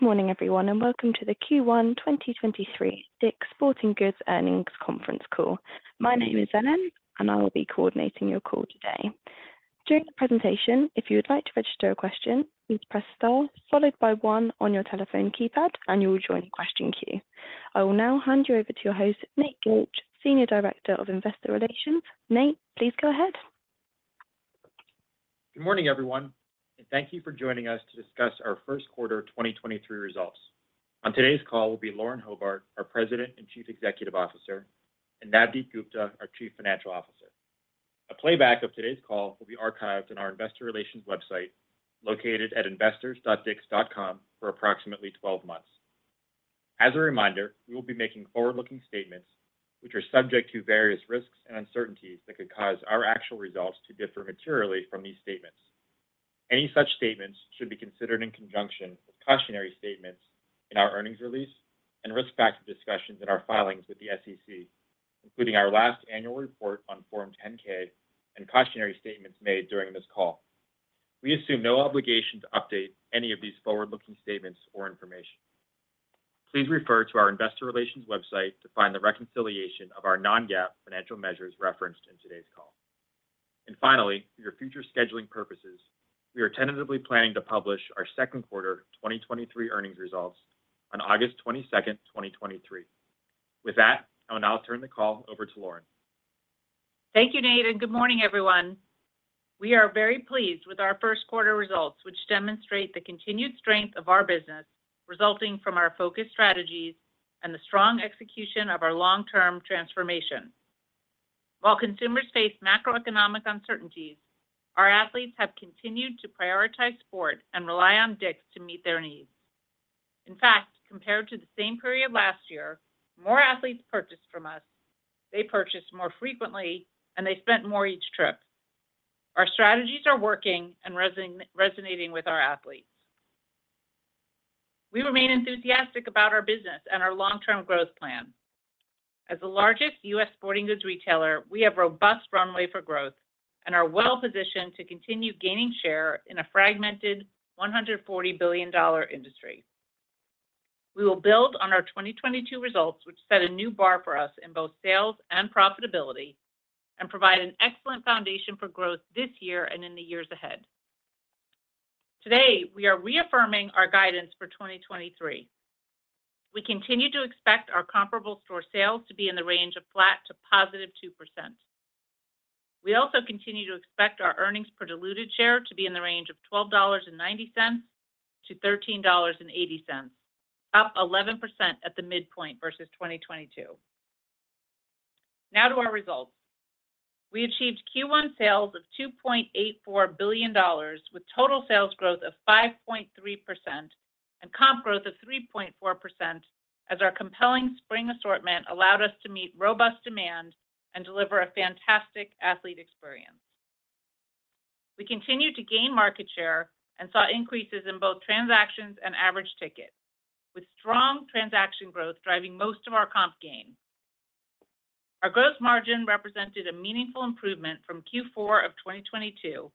Good morning everyone, welcome to the Q1 2023 DIK'S Sporting Goods Earnings Conference Call. My name is Ellen, I will be coordinating your call today. During the presentation, if you would like to register a question, please press star followed by one on your telephone keypad, you will join question queue. I will now hand you over to your host, Nate Gilch, Senior Director of Investor Relations. Nate, please go ahead. Good morning, everyone, thank you for joining us to discuss our first quarter 2023 results. On today's call will be Lauren Hobart, our President and Chief Executive Officer, and Navdeep Gupta, our Chief Financial Officer. A playback of today's call will be archived in our investor relations website, located at investors.diks.com for approximately 12 months. As a reminder, we will be making forward-looking statements which are subject to various risks and uncertainties that could cause our actual results to differ materially from these statements. Any such statements should be considered in conjunction with cautionary statements in our earnings release and risk factor discussions in our filings with the SEC, including our last annual report on Form 10-K and cautionary statements made during this call. We assume no obligation to update any of these forward-looking statements or information. Please refer to our investor relations website to find the reconciliation of our non-GAAP financial measures referenced in today's call. Finally, for your future scheduling purposes, we are tentatively planning to publish our second quarter 2023 earnings results on August 22, 2023. With that, I will now turn the call over to Lauren. Thank you, Nate. Good morning everyone. We are very pleased with our first quarter results, which demonstrate the continued strength of our business resulting from our focused strategies and the strong execution of our long-term transformation. While consumers face macroeconomic uncertainties, our athletes have continued to prioritize sport and rely on DIK'S to meet their needs. In fact, compared to the same period last year, more athletes purchased from us, they purchased more frequently, and they spent more each trip. Our strategies are working and resonating with our athletes. We remain enthusiastic about our business and our long-term growth plan. As the largest U.S. sporting goods retailer, we have robust runway for growth and are well-positioned to continue gaining share in a fragmented $140 billion industry. We will build on our 2022 results, which set a new bar for us in both sales and profitability, and provide an excellent foundation for growth this year and in the years ahead. Today, we are reaffirming our guidance for 2023. We continue to expect our comparable store sales to be in the range of flat to positive 2%. We also continue to expect our earnings per diluted share to be in the range of $12.90 to $13.80, up 11% at the midpoint versus 2022. Now to our results. We achieved Q1 sales of $2.84 billion with total sales growth of 5.3% and comp growth of 3.4% as our compelling spring assortment allowed us to meet robust demand and deliver a fantastic athlete experience. We continued to gain market share and saw increases in both transactions and average ticket, with strong transaction growth driving most of our comp gain. Our gross margin represented a meaningful improvement from Q4 of 2022.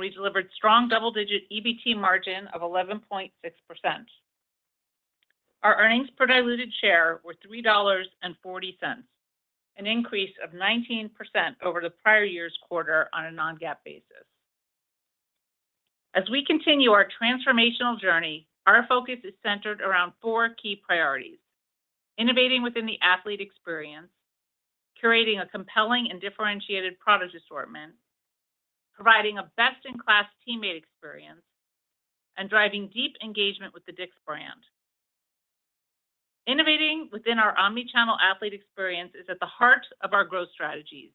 We delivered strong double-digit EBT margin of 11.6%. Our earnings per diluted share were $3.40, an increase of 19% over the prior year's quarter on a non-GAAP basis. As we continue our transformational journey, our focus is centered around four key priorities: innovating within the athlete experience, curating a compelling and differentiated product assortment, providing a best-in-class teammate experience, and driving deep engagement with the DIK'S brand. Innovating within our omni-channel athlete experience is at the heart of our growth strategies,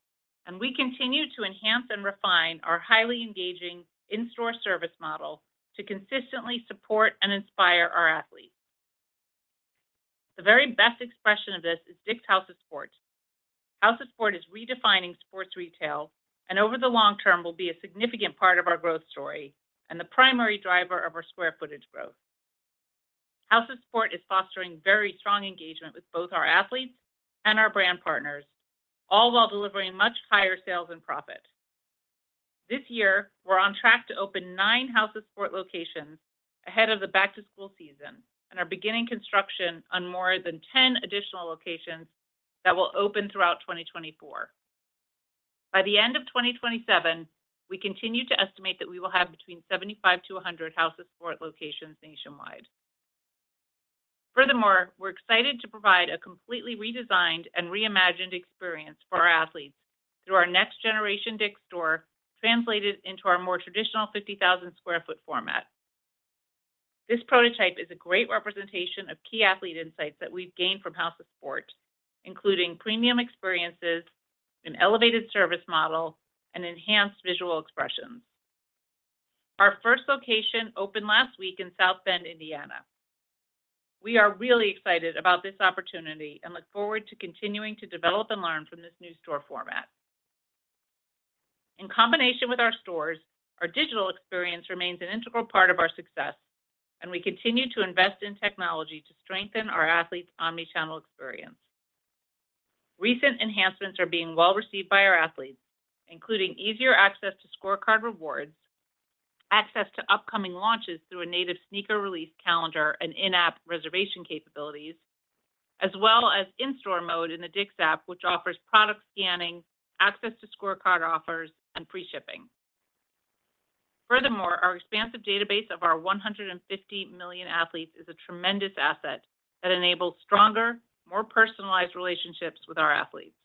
and we continue to enhance and refine our highly engaging in-store service model to consistently support and inspire our athletes. The very best expression of this is DIK'S House of Sport. House of Sport is redefining sports retail, over the long term will be a significant part of our growth story and the primary driver of our square footage growth. House of Sport is fostering very strong engagement with both our athletes and our brand partners, all while delivering much higher sales and profit. This year, we're on track to open 9 House of Sport locations ahead of the back-to-school season and are beginning construction on more than 10 additional locations that will open throughout 2024. By the end of 2027, we continue to estimate that we will have between 75 to 100 House of Sport locations nationwide. Furthermore, we're excited to provide a completely redesigned and reimagined experience for our athletes through our next generation DIK'S store, translated into our more traditional 50,000 sq ft format. This prototype is a great representation of key athlete insights that we've gained from House of Sport, including premium experiences, an elevated service model, and enhanced visual expressions. Our first location opened last week in South Bend, Indiana. We are really excited about this opportunity and look forward to continuing to develop and learn from this new store format. In combination with our stores, our digital experience remains an integral part of our success, and we continue to invest in technology to strengthen our athletes' omni-channel experience. Recent enhancements are being well received by our athletes, including easier access to ScoreCard rewards, access to upcoming launches through a native sneaker release calendar and in-app reservation capabilities, as well as in-store mode in the DIK'S app, which offers product scanning, access to ScoreCard offers and free shipping. Our expansive database of our 150 million athletes is a tremendous asset that enables stronger, more personalized relationships with our athletes.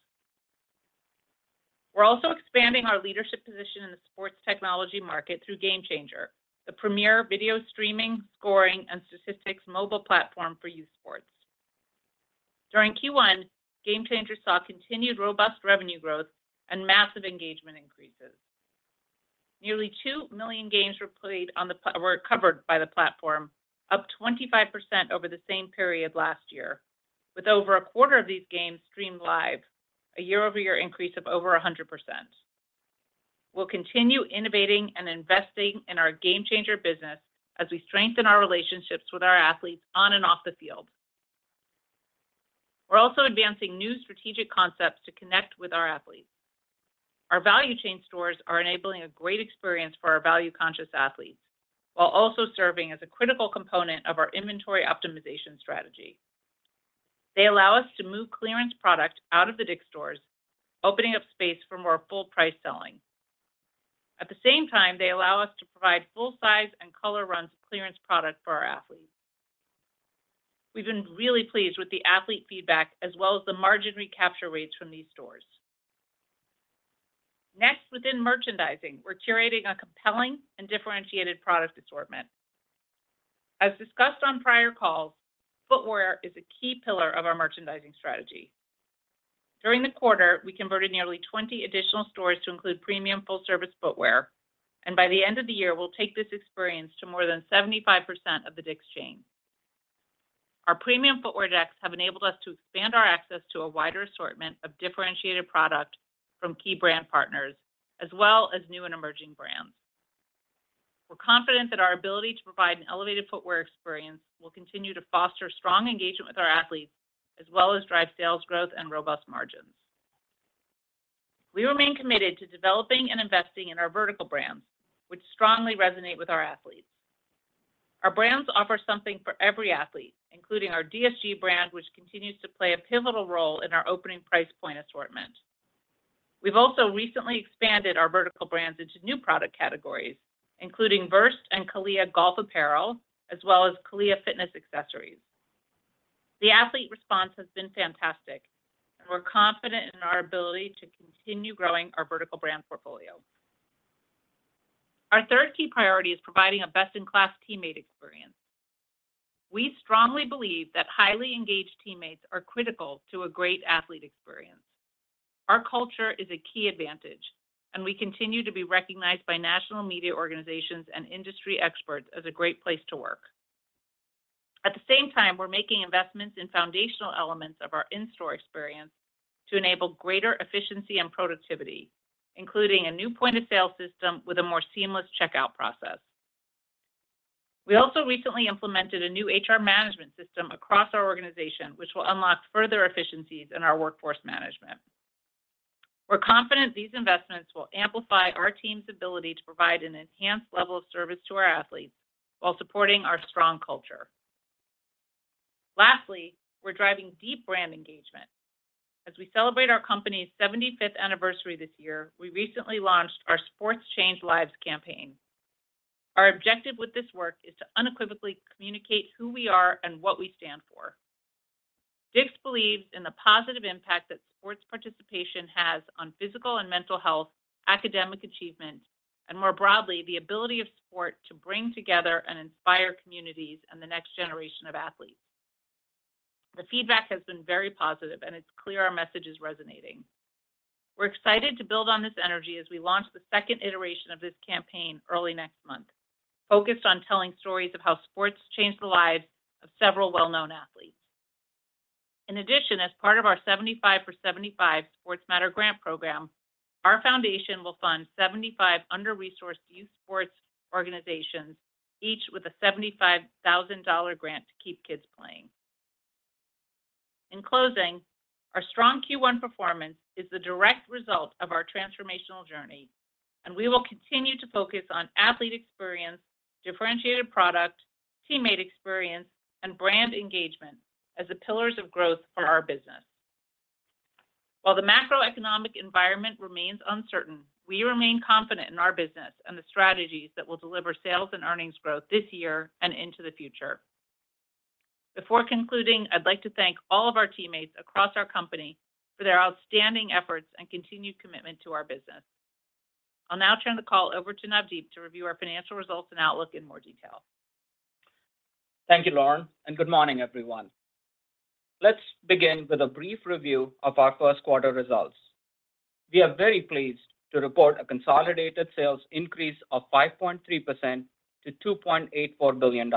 We're also expanding our leadership position in the sports technology market through GameChanger, the premier video streaming, scoring, and statistics mobile platform for youth sports. During Q1, GameChanger saw continued robust revenue growth and massive engagement increases. Nearly 2 million games were covered by the platform, up 25% over the same period last year, with over a quarter of these games streamed live, a year-over-year increase of over 100%. We'll continue innovating and investing in our GameChanger business as we strengthen our relationships with our athletes on and off the field. We're also advancing new strategic concepts to connect with our athletes. Our value chain stores are enabling a great experience for our value-conscious athletes while also serving as a critical component of our inventory optimization strategy. They allow us to move clearance product out of the DIK'S stores, opening up space for more full-price selling. At the same time, they allow us to provide full size and color runs clearance product for our athletes. We've been really pleased with the athlete feedback as well as the margin recapture rates from these stores. Within merchandising, we're curating a compelling and differentiated product assortment. As discussed on prior calls, footwear is a key pillar of our merchandising strategy. During the quarter, we converted nearly 20 additional stores to include premium full-service footwear, and by the end of the year, we'll take this experience to more than 75% of the DIK'S chain. Our premium footwear decks have enabled us to expand our access to a wider assortment of differentiated product from key brand partners as well as new and emerging brands. We're confident that our ability to provide an elevated footwear experience will continue to foster strong engagement with our athletes, as well as drive sales growth and robust margins. We remain committed to developing and investing in our vertical brands, which strongly resonate with our athletes. Our brands offer something for every athlete, including our DSG brand, which continues to play a pivotal role in our opening price point assortment. We've also recently expanded our vertical brands into new product categories, including VRST and CALIA Golf Apparel, as well as CALIA Fitness Accessories. The athlete response has been fantastic, and we're confident in our ability to continue growing our vertical brand portfolio. Our third key priority is providing a best-in-class teammate experience. We strongly believe that highly engaged teammates are critical to a great athlete experience. We continue to be recognized by national media organizations and industry experts as a great place to work. At the same time, we're making investments in foundational elements of our in-store experience to enable greater efficiency and productivity, including a new point-of-sale system with a more seamless checkout process. We also recently implemented a new HR management system across our organization, which will unlock further efficiencies in our workforce management. We're confident these investments will amplify our team's ability to provide an enhanced level of service to our athletes while supporting our strong culture. Lastly, we're driving deep brand engagement. As we celebrate our company's 75th anniversary this year, we recently launched our Sports Change Lives campaign. Our objective with this work is to unequivocally communicate who we are and what we stand for. DICK'S believes in the positive impact that sports participation has on physical and mental health, academic achievement, and more broadly, the ability of sport to bring together and inspire communities and the next generation of athletes. The feedback has been very positive, and it's clear our message is resonating. We're excited to build on this energy as we launch the second iteration of this campaign early next month, focused on telling stories of how sports changed the lives of several well-known athletes. In addition, as part of our 75 for 75 Sports Matter Grant program, our foundation will fund 75 under-resourced youth sports organizations, each with a $75,000 grant to keep kids playing. In closing, our strong Q1 performance is the direct result of our transformational journey, and we will continue to focus on athlete experience, differentiated product, teammate experience, and brand engagement as the pillars of growth for our business. While the macroeconomic environment remains uncertain, we remain confident in our business and the strategies that will deliver sales and earnings growth this year and into the future. Before concluding, I'd like to thank all of our teammates across our company for their outstanding efforts and continued commitment to our business. I'll now turn the call over to Navdeep to review our financial results and outlook in more detail. Thank you, Lauren. Good morning, everyone. Let's begin with a brief review of our first quarter results. We are very pleased to report a consolidated sales increase of 5.3% to $2.84 billion.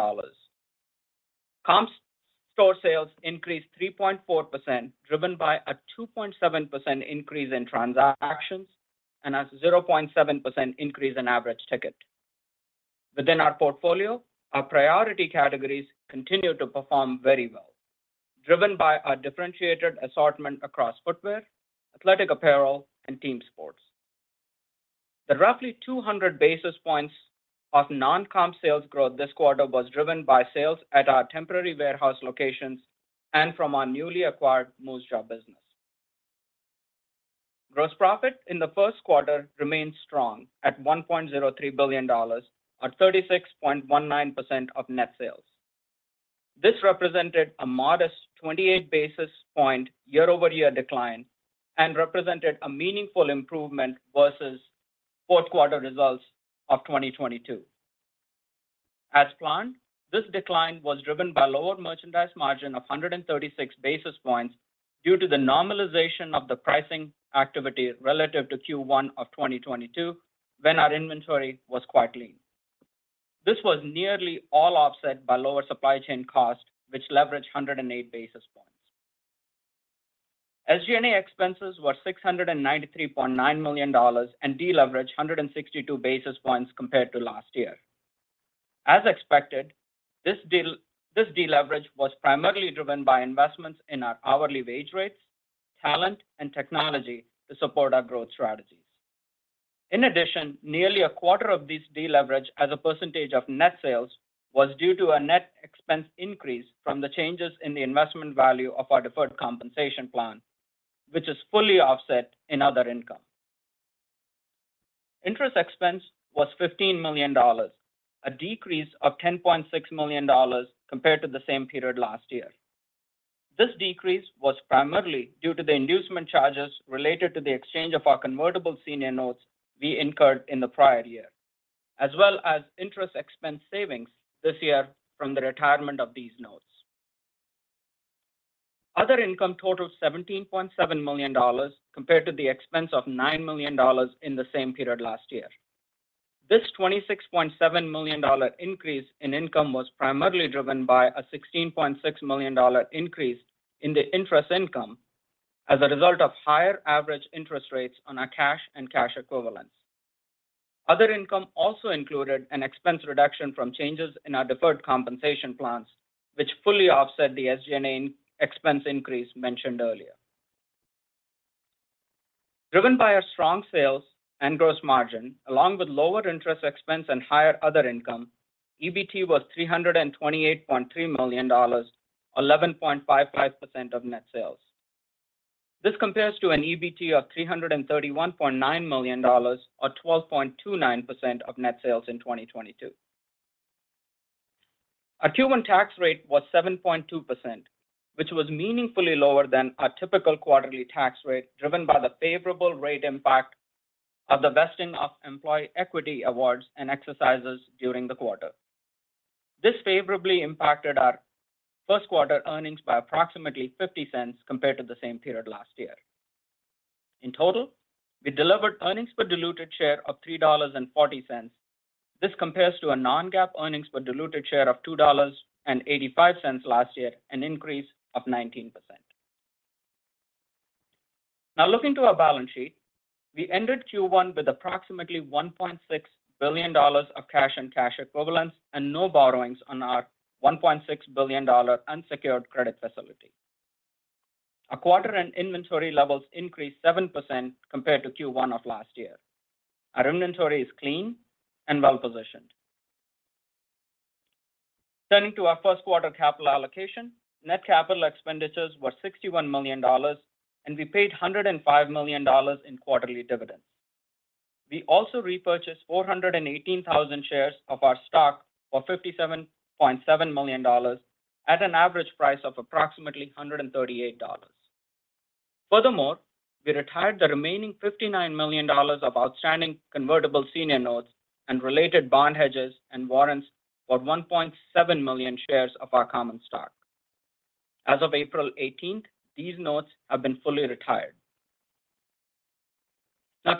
Comps store sales increased 3.4%, driven by a 2.7% increase in transactions and a 0.7% increase in average ticket. Within our portfolio, our priority categories continue to perform very well, driven by our differentiated assortment across footwear, athletic apparel, and team sports. The roughly 200 basis points of non-comp sales growth this quarter was driven by sales at our temporary warehouse locations and from our newly acquired Moosejaw business. Gross profit in the first quarter remained strong at $1.03 billion or 36.19% of net sales. This represented a modest 28 basis point year-over-year decline, represented a meaningful improvement versus fourth quarter results of 2022. As planned, this decline was driven by lower merchandise margin of 136 basis points due to the normalization of the pricing activity relative to Q1 of 2022 when our inventory was quite lean. This was nearly all offset by lower supply chain cost, which leveraged 108 basis points. SG&A expenses were $693.9 million deleveraged 162 basis points compared to last year. As expected, this deleverage was primarily driven by investments in our hourly wage rates, talent, and technology to support our growth strategies. In addition, nearly a quarter of this deleverage as a percentage of net sales was due to a net expense increase from the changes in the investment value of our deferred compensation plan, which is fully offset in other income. Interest expense was $15 million, a decrease of $10.6 million compared to the same period last year. This decrease was primarily due to the inducement charges related to the exchange of our convertible senior notes we incurred in the prior year, as well as interest expense savings this year from the retirement of these notes. Other income totaled $17.7 million compared to the expense of $9 million in the same period last year. This $26.7 million increase in income was primarily driven by a $16.6 million increase in the interest income as a result of higher average interest rates on our cash and cash equivalents. Other income also included an expense reduction from changes in our deferred compensation plans, which fully offset the SG&A expense increase mentioned earlier. Driven by our strong sales and gross margin, along with lower interest expense and higher other income, EBT was $328.3 million, 11.55% of net sales. This compares to an EBT of $331.9 million or 12.29% of net sales in 2022. Our Q1 tax rate was 7.2%, which was meaningfully lower than our typical quarterly tax rate, driven by the favorable rate impact of the vesting of employee equity awards and exercises during the quarter. This favorably impacted our first quarter earnings by approximately $0.50 compared to the same period last year. In total, we delivered earnings per diluted share of $3.40. This compares to a non-GAAP earnings per diluted share of $2.85 last year, an increase of 19%. Looking to our balance sheet, we ended Q1 with approximately $1.6 billion of cash and cash equivalents and no borrowings on our $1.6 billion unsecured credit facility. Our quarter and inventory levels increased 7% compared to Q1 of last year. Our inventory is clean and well-positioned. Turning to our first quarter capital allocation, net capital expenditures were $61 million. We paid $105 million in quarterly dividends. We also repurchased 418,000 shares of our stock for $57.7 million at an average price of approximately $138. We retired the remaining $59 million of outstanding convertible senior notes and related bond hedges and warrants for 1.7 million shares of our common stock. As of April 18th, these notes have been fully retired.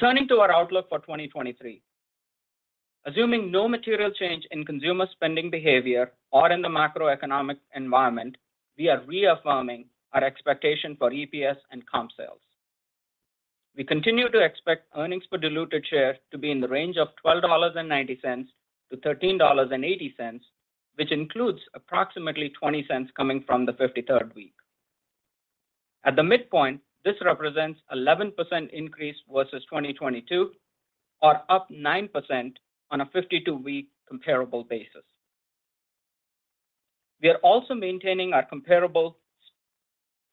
Turning to our outlook for 2023. Assuming no material change in consumer spending behavior or in the macroeconomic environment, we are reaffirming our expectation for EPS and comp sales. We continue to expect earnings per diluted share to be in the range of $12.90-$13.80, which includes approximately $0.20 coming from the 53rd week. At the midpoint, this represents 11% increase versus 2022 or up 9% on a 52-week comparable basis. We are also maintaining our comparable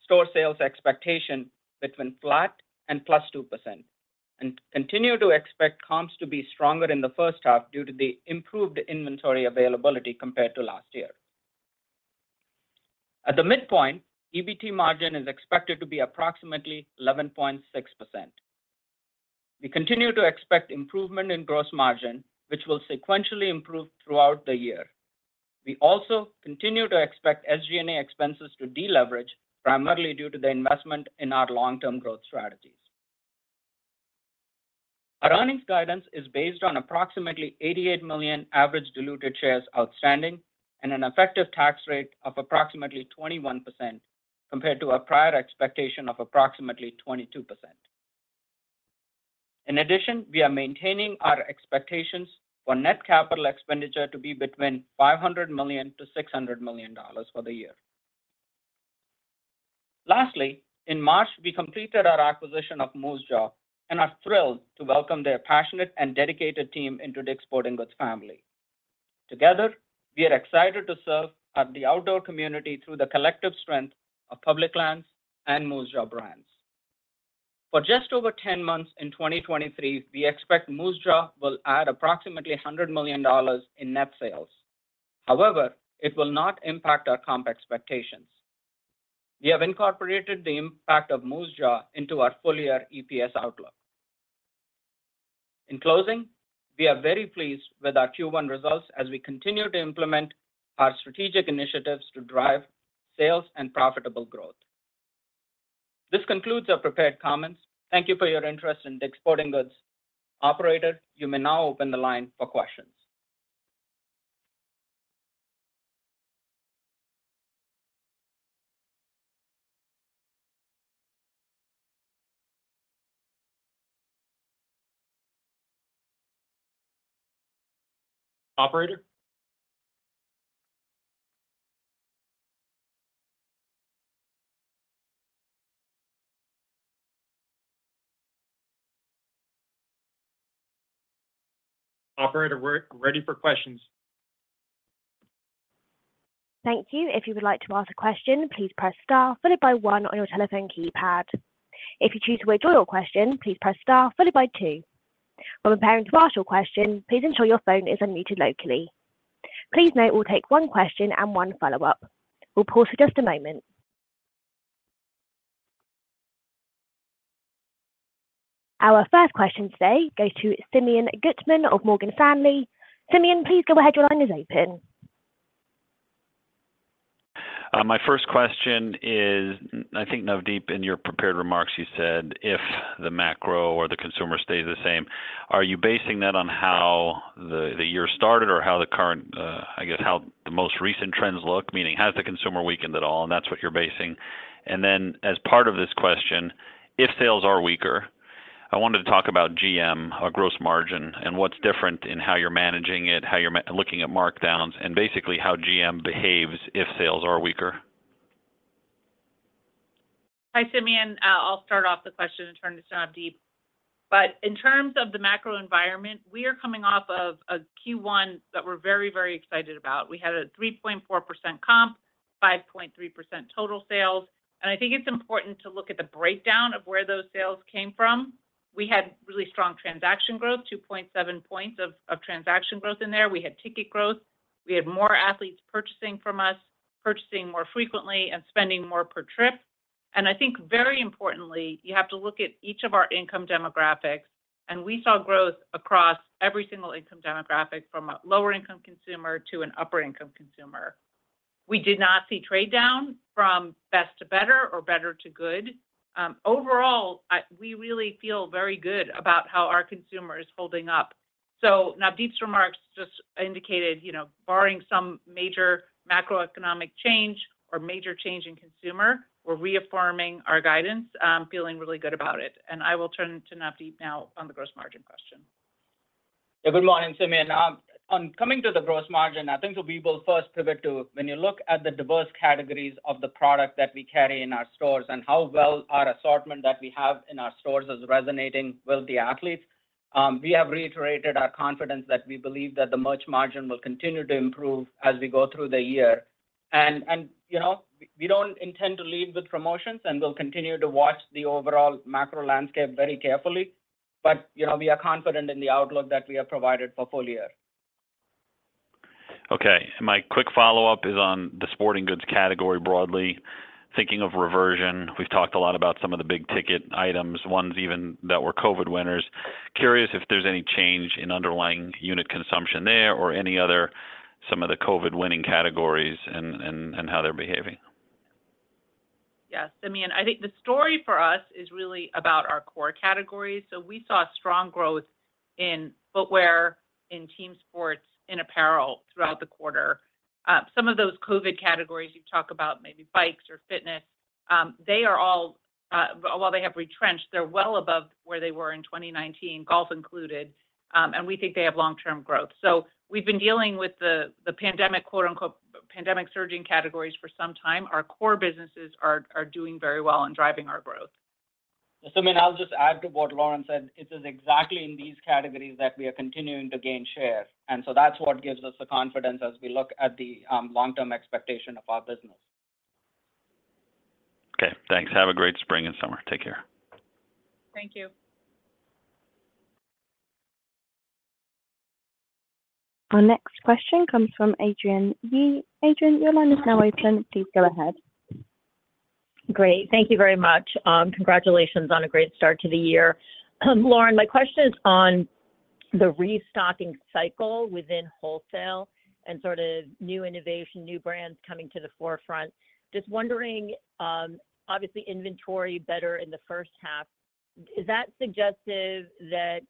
store sales expectation between flat and +2% and continue to expect comps to be stronger in the first half due to the improved inventory availability compared to last year. At the midpoint, EBT margin is expected to be approximately 11.6%. We continue to expect improvement in gross margin, which will sequentially improve throughout the year. We also continue to expect SG&A expenses to deleverage primarily due to the investment in our long-term growth strategies. Our earnings guidance is based on approximately 88 million average diluted shares outstanding and an effective tax rate of approximately 21% compared to our prior expectation of approximately 22%. We are maintaining our expectations for net CapEx to be between $500 million-$600 million for the year. In March, we completed our acquisition of Moosejaw and are thrilled to welcome their passionate and dedicated team into the DIK'S Sporting Goods family. We are excited to serve at the outdoor community through the collective strength of Public Lands and Moosejaw brands. For just over 10 months in 2023, we expect Moosejaw will add approximately $100 million in net sales. It will not impact our comp expectations. We have incorporated the impact of Moosejaw into our full-year EPS outlook. In closing, we are very pleased with our Q1 results as we continue to implement our strategic initiatives to drive sales and profitable growth. This concludes our prepared comments. Thank you for your interest in DIK'S Sporting Goods. Operator, you may now open the line for questions. Operator? Operator, we're ready for questions. Thank you. If you would like to ask a question, please press star followed by 1 on your telephone keypad. If you choose to withdraw your question, please press star followed by 2. When preparing to ask your question, please ensure your phone is unmuted locally. Please note we'll take one question and one follow-up. We'll pause for just a moment. Our first question today goes to Simeon Gutman of Morgan Stanley. Simeon, please go ahead. Your line is open. My first question is, I think, Navdeep, in your prepared remarks, you said if the macro or the consumer stays the same, are you basing that on how the year started or how the current how the most recent trends look, meaning, has the consumer weakened at all, and that's what you're basing? As part of this question, if sales are weaker, I wanted to talk about GM or gross margin and what's different in how you're managing it, how you're looking at markdowns, and basically how GM behaves if sales are weaker. Hi, Simeon. I'll start off the question and turn to Navdeep. In terms of the macro environment, we are coming off of a Q1 that we're very, very excited about. We had a 3.4% comp, 5.3% total sales. I think it's important to look at the breakdown of where those sales came from. We had really strong transaction growth, 2.7 points of transaction growth in there. We had ticket growth. We had more athletes purchasing from us, purchasing more frequently and spending more per trip. I think very importantly, you have to look at each of our income demographics, and we saw growth across every single income demographic from a lower-income consumer to an upper-income consumer. We did not see trade down from best to better or better to good. Overall, we really feel very good about how our consumer is holding up. Navdeep's remarks just indicated, you know, barring some major macroeconomic change or major change in consumer, we're reaffirming our guidance, feeling really good about it. I will turn to Navdeep now on the gross margin question. Good morning, Simeon. On coming to the gross margin, I think we will first pivot to when you look at the diverse categories of the product that we carry in our stores and how well our assortment that we have in our stores is resonating with the athletes, we have reiterated our confidence that we believe that the merch margin will continue to improve as we go through the year. You know, we don't intend to lead with promotions, and we'll continue to watch the overall macro landscape very carefully. You know, we are confident in the outlook that we have provided for full year. Okay. My quick follow-up is on the sporting goods category broadly, thinking of reversion. We've talked a lot about some of the big-ticket items, ones even that were COVID winners. Curious if there's any change in underlying unit consumption there or any other, some of the COVID winning categories and how they're behaving? Yes. I mean, I think the story for us is really about our core categories. We saw strong growth in footwear, in team sports, in apparel throughout the quarter. Some of those COVID categories you talk about, maybe bikes or fitness, they are all, while they have retrenched, they're well above where they were in 2019, golf included, and we think they have long-term growth. We've been dealing with the pandemic, quote-unquote, pandemic surging categories for some time. Our core businesses are doing very well in driving our growth. Simeon, I'll just add to what Lauren said. It is exactly in these categories that we are continuing to gain share, that's what gives us the confidence as we look at the long-term expectation of our business. Okay. Thanks. Have a great spring and summer. Take care. Thank you. Our next question comes from Adrienne Yih-Tennant. Adrienne, your line is now open. Please go ahead. Great. Thank you very much. Congratulations on a great start to the year. Lauren, my question is on the restocking cycle within wholesale and sort of new innovation, new brands coming to the forefront. Just wondering, obviously inventory better in the first half. Is that suggestive that,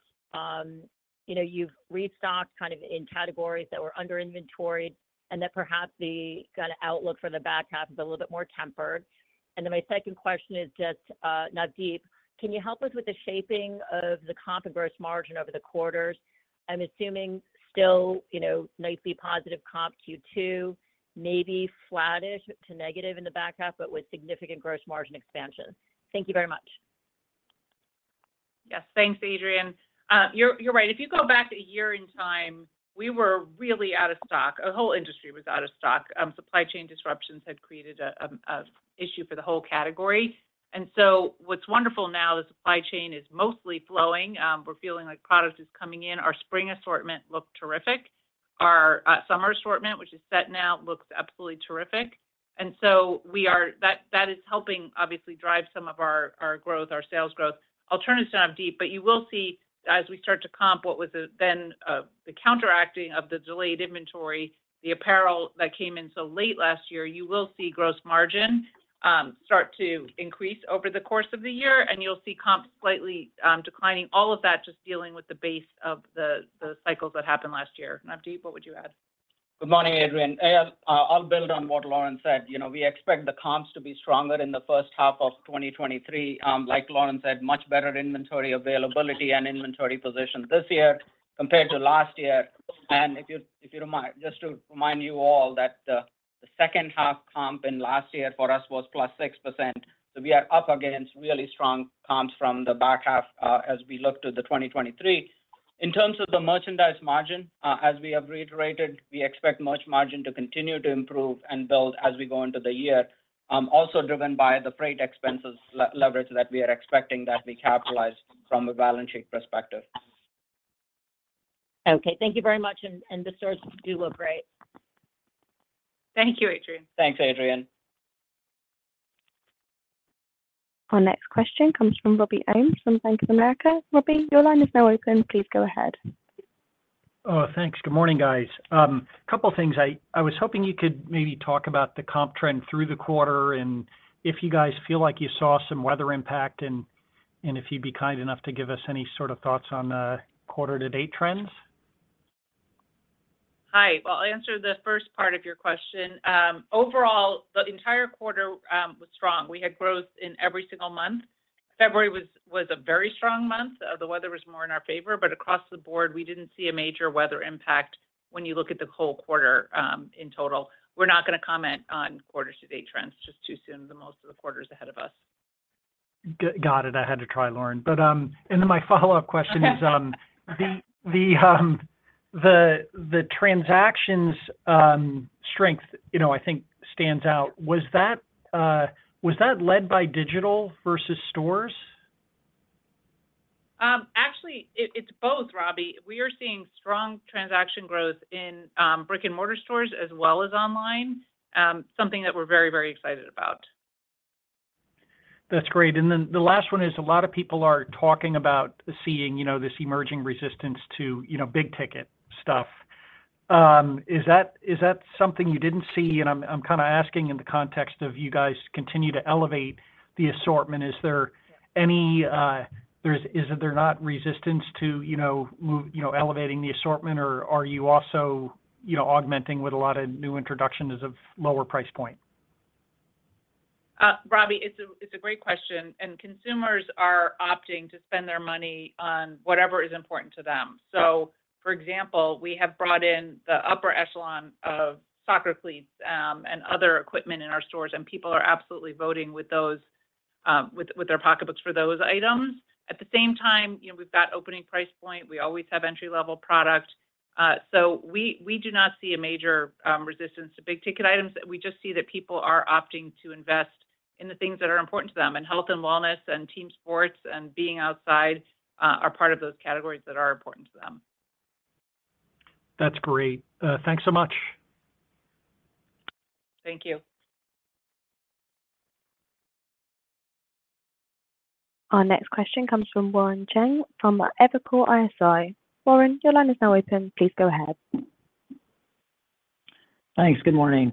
you know, you've restocked kind of in categories that were under inventoried and that perhaps the kind of outlook for the back half is a little bit more tempered? My second question is just, Navdeep, can you help us with the shaping of the comp and gross margin over the quarters? I'm assuming still, you know, nicely positive comp Q2, maybe flattish to negative in the back half, but with significant gross margin expansion. Thank you very much. Yes. Thanks, Adrienne. You're right. If you go back 1 year in time, we were really out of stock. Our whole industry was out of stock. Supply chain disruptions had created a issue for the whole category. What's wonderful now, the supply chain is mostly flowing. We're feeling like product is coming in. Our spring assortment look terrific. Our summer assortment, which is set now, looks absolutely terrific. That is helping obviously drive some of our growth, our sales growth. I'll turn it to Navdeep Gupta. You will see as we start to comp what was then the counteracting of the delayed inventory, the apparel that came in so late last year, you will see gross margin start to increase over the course of the year, and you'll see comps slightly declining. All of that just dealing with the base of the cycles that happened last year. Navdeep, what would you add? Good morning, Adrienne. I'll build on what Lauren said. You know, we expect the comps to be stronger in the first half of 2023. Like Lauren said, much better inventory availability and inventory position this year compared to last year. If you don't mind, just to remind you all that the second half comp in last year for us was +6%, so we are up against really strong comps from the back half as we look to the 2023. In terms of the merchandise margin, as we have reiterated, we expect merch margin to continue to improve and build as we go into the year, also driven by the freight expenses leverage that we are expecting that we capitalize from a balance sheet perspective. Okay. Thank you very much. The stores do look great. Thank you, Adrienne. Thanks, Adrienne. Our next question comes from Robert Ohmes from Bank of America. Robbie, your line is now open. Please go ahead. Oh, thanks. Good morning, guys. Couple things. I was hoping you could maybe talk about the comp trend through the quarter and if you guys feel like you saw some weather impact and if you'd be kind enough to give us any sort of thoughts on quarter to date trends? Hi. Well, I'll answer the first part of your question. overall, the entire quarter was strong. We had growth in every single month. February was a very strong month. the weather was more in our favor, but across the board we didn't see a major weather impact when you look at the whole quarter in total. We're not gonna comment on quarter to date trends just too soon. The most of the quarter's ahead of us. Got it. I had to try, Lauren. My follow-up question the transactions strength, you know, I think stands out. Was that led by digital versus stores? Actually, it's both, Robbie. We are seeing strong transaction growth in brick and mortar stores as well as online, something that we're very, very excited about. That's great. The last one is a lot of people are talking about seeing, you know, this emerging resistance to, you know, big ticket stuff. Is that, is that something you didn't see? I'm kinda asking in the context of you guys continue to elevate the assortment. Is there not resistance to, you know, elevating the assortment, or are you also, you know, augmenting with a lot of new introductions of lower price point? Robbie, it's a great question. Consumers are opting to spend their money on whatever is important to them. For example, we have brought in the upper echelon of soccer cleats and other equipment in our stores. People are absolutely voting with those with their pocketbooks for those items. At the same time, you know, we've got opening price point, we always have entry-level product, we do not see a major resistance to big ticket items. We just see that people are opting to invest in the things that are important to them, health and wellness and team sports and being outside are part of those categories that are important to them. That's great. Thanks so much. Thank you. Our next question comes from Warren Cheng from Evercore ISI. Warren, your line is now open. Please go ahead. Thanks. Good morning.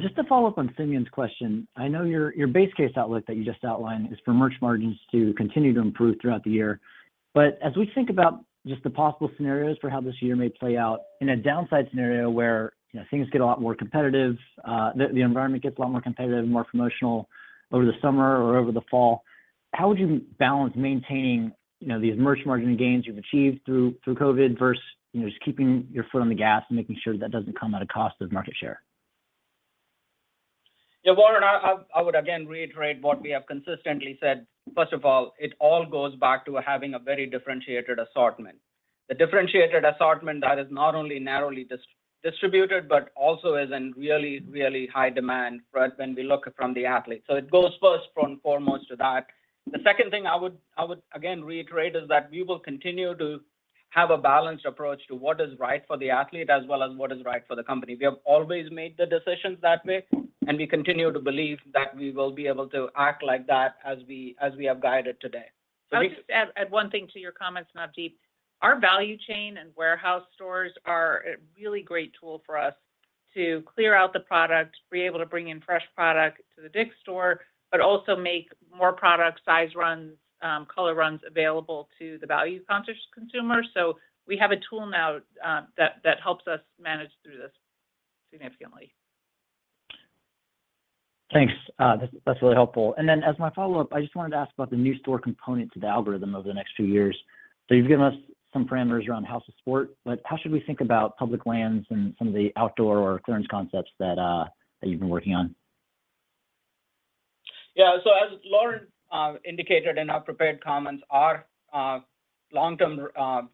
Just to follow up on Simeon's question, I know your base case outlook that you just outlined is for merch margins to continue to improve throughout the year. As we think about just the possible scenarios for how this year may play out, in a downside scenario where, you know, things get a lot more competitive, the environment gets a lot more competitive and more promotional over the summer or over the fall, how would you balance maintaining, you know, these merch margin gains you've achieved through COVID versus, you know, just keeping your foot on the gas and making sure that doesn't come at a cost of market share? Yeah. Warren, I would again reiterate what we have consistently said. First of all, it all goes back to having a very differentiated assortment, a differentiated assortment that is not only narrowly distributed, but also is in really, really high demand for us when we look from the athlete. It goes first and foremost to that. The second thing I would again reiterate is that we will continue to have a balanced approach to what is right for the athlete as well as what is right for the company. We have always made the decisions that way, and we continue to believe that we will be able to act like that as we have guided today. We. I'll just add one thing to your comments, Navdeep. Our value chain and warehouse stores are a really great tool for us to clear out the product, be able to bring in fresh product to the DIK'S store, but also make more product size runs, color runs available to the value conscious consumer. We have a tool now that helps us manage through this significantly. Thanks. that's really helpful. As my follow-up, I just wanted to ask about the new store component to the algorithm over the next few years. You've given us some parameters around House of Sport, but how should we think about Public Lands and some of the outdoor or clearance concepts that you've been working on? Yeah. As Lauren indicated in our prepared comments, our long-term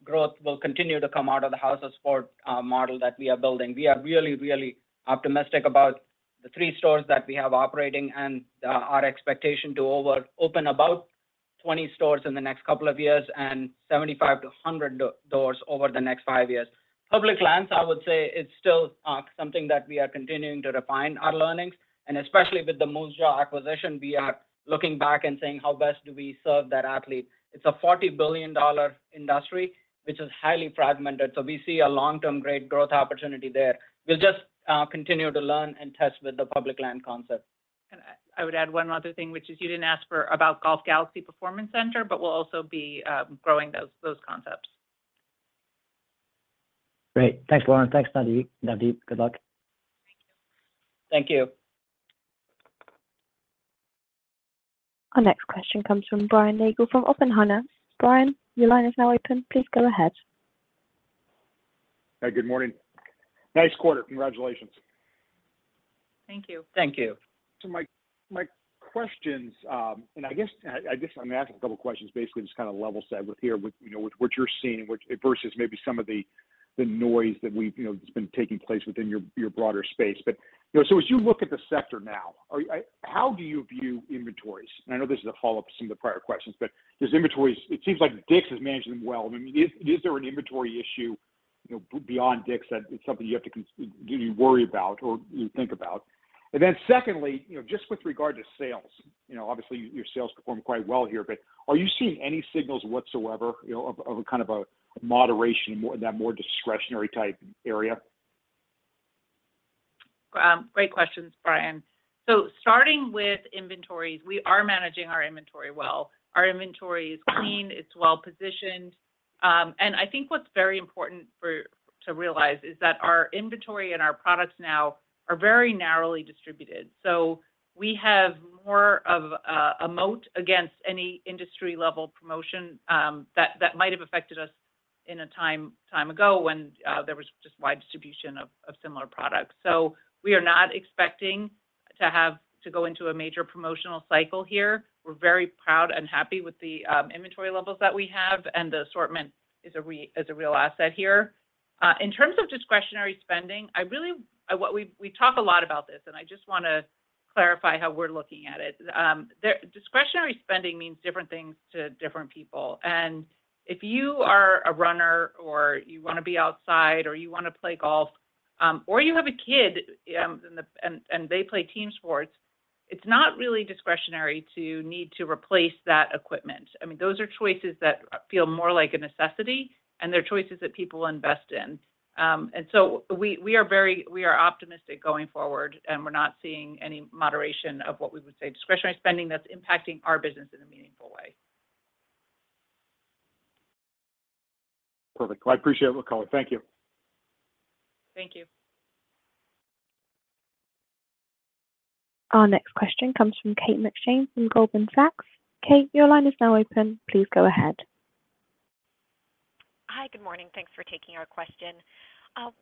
growth will continue to come out of the House of Sport model that we are building. We are really optimistic about the 3 stores that we have operating and our expectation to open about 20 stores in the next couple of years and 75-100 doors over the next 5 years. Public Lands, I would say it's still something that we are continuing to refine our learnings, and especially with the Moosejaw acquisition, we are looking back and saying, "How best do we serve that athlete?" It's a $40 billion industry, which is highly fragmented, we see a long-term great growth opportunity there. We'll just continue to learn and test with the Public Lands concept. I would add one other thing, which is you didn't ask for about Golf Galaxy Performance Center, but we'll also be growing those concepts. Great. Thanks, Lauren. Thanks, Navdeep. Good luck. Thank you. Thank you. Our next question comes from Brian Nagel from Oppenheimer. Brian, your line is now open. Please go ahead. Hey, good morning. Nice quarter. Congratulations. Thank you. Thank you. My questions, I guess I'm asking a couple questions basically just to kind of level set with here with, you know, with what you're seeing versus maybe some of the noise that we've, you know, that's been taking place within your broader space. You know, so as you look at the sector now, how do you view inventories? I know this is a follow-up to some of the prior questions, but these inventories, it seems like DIK'S is managing them well. I mean, is there an inventory issue, you know, beyond DIK'S that it's something you have to do you worry about or you think about? Secondly, you know, just with regard to sales, you know, obviously your sales performed quite well here, but are you seeing any signals whatsoever, you know, of a kind of a moderation That more discretionary type area? Great questions, Brian. Starting with inventories, we are managing our inventory well. Our inventory is clean, it's well positioned. I think what's very important for to realize is that our inventory and our products now are very narrowly distributed. We have more of a moat against any industry level promotion that might have affected us in a time ago when there was just wide distribution of similar products. We are not expecting to have to go into a major promotional cycle here. We're very proud and happy with the inventory levels that we have, and the assortment is a real asset here. In terms of discretionary spending, what we talk a lot about this, and I just want to clarify how we're looking at it. The discretionary spending means different things to different people. If you are a runner, or you wanna be outside, or you wanna play golf, or you have a kid, and they play team sports, it's not really discretionary to need to replace that equipment. I mean, those are choices that feel more like a necessity, and they're choices that people invest in. So we are very... We are optimistic going forward, and we're not seeing any moderation of what we would say discretionary spending that's impacting our business in a meaningful way. Perfect. I appreciate it. We'll call it. Thank you. Thank you. Our next question comes from Kate McShane from Goldman Sachs. Kate, your line is now open. Please go ahead. Hi. Good morning. Thanks for taking our question.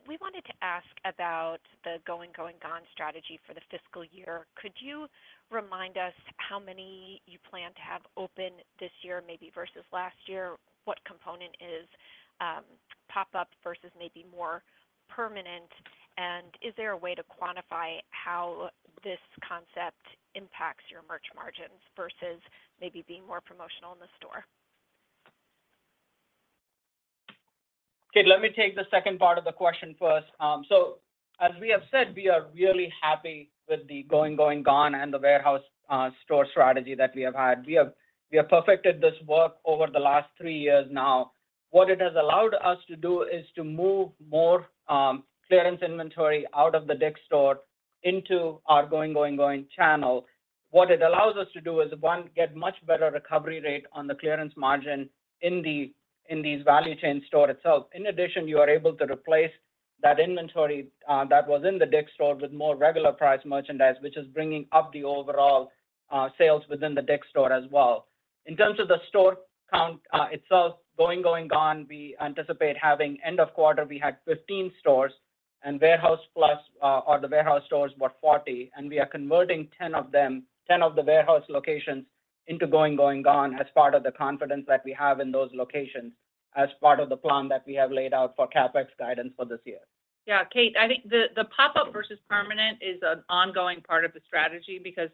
We wanted to ask about the Going, Gone! strategy for the fiscal year. Could you remind us how many you plan to have open this year maybe versus last year? What component is pop-up versus maybe more permanent? Is there a way to quantify how this concept impacts your merch margins versus maybe being more promotional in the store? Kate, let me take the second part of the question first. As we have said, we are really happy with the Going, Gone! and the warehouse store strategy that we have had. We have perfected this work over the last three years now. What it has allowed us to do is to move more clearance inventory out of the DIK'S store into our Going, Gone! channel. What it allows us to do is, one, get much better recovery rate on the clearance margin in these value chain store itself. In addition, you are able to replace that inventory that was in the DIK'S store with more regular priced merchandise, which is bringing up the overall sales within the DIK'S store as well. In terms of the store count, itself, Going, Gone!, we anticipate having end of quarter, we had 15 stores, and warehouse plus, or the warehouse stores were 40, and we are converting 10 of the warehouse locations into Going, Gone! as part of the confidence that we have in those locations as part of the plan that we have laid out for CapEx guidance for this year. Kate, I think the pop-up versus permanent is an ongoing part of the strategy because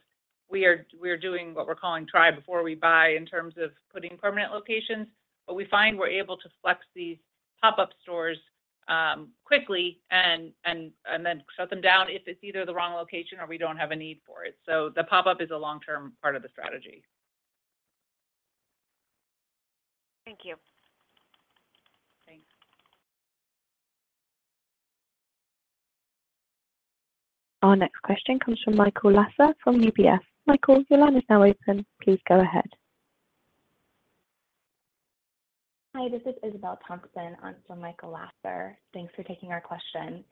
we are doing what we're calling try before we buy in terms of putting permanent locations, but we find we're able to flex these pop-up stores quickly and then shut them down if it's either the wrong location or we don't have a need for it. The pop-up is a long-term part of the strategy. Thank you. Thanks. Our next question comes from Michael Lasser from UBS. Michael, your line is now open. Please go ahead. Hi, this is Isabelle Thompson on for Michael Lasser. Thanks for taking our question.